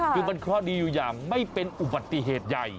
คือมันเคราะห์ดีอยู่อย่างไม่เป็นอุบัติเหตุใหญ่